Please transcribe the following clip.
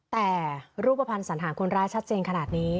แต่รูปภัณฑ์สันหารคนร้ายชัดเจนขนาดนี้